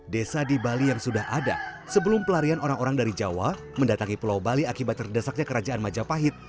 desa di bali yang sudah ada sebelum pelarian orang orang dari jawa mendatangi pulau bali akibat terdesaknya kerajaan majapahit